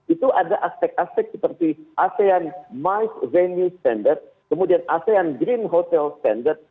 itu ada aspek aspek seperti asean mike venue standard kemudian asean green hotel standard